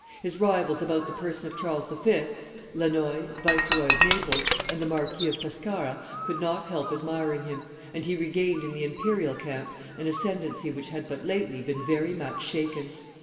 His rivals about the person of Charles V., Lannoy, Viceroy of Naples, and the Marquis of Pescara, could not help admiring him, and he regained in the imperial camp an ascendency which had but lately been very much shaken.